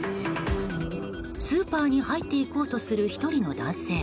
スーパーに入っていこうとする１人の男性。